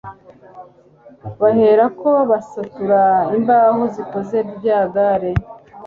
baherako basatura imbaho zikoze rya gare